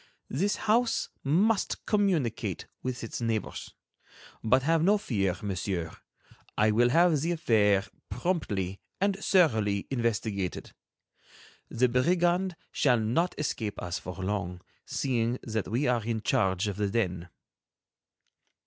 This house must communicate with its neighbors. But have no fear, Monsieur; I will have the affair promptly and thoroughly investigated. The brigand shall not escape us for long, seeing that we are in charge of the den."